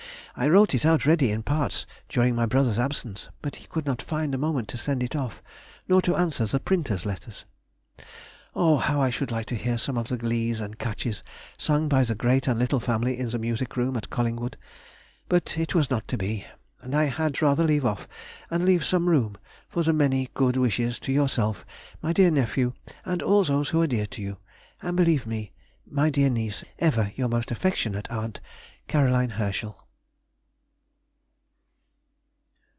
I wrote it out ready in parts during my brother's absence; but he could not find a moment to send it off, nor to answer the printer's letters. Oh! how I should like to hear some of the glees and catches sung by the great and little family in the music room at Collingwood; but it was not to be! and I had rather leave off and leave some room for the many good wishes to yourself, my dear nephew, and all those who are dear to you, and believe me, My dear niece, Ever your most affectionate aunt, CAROLINE HERSCHEL.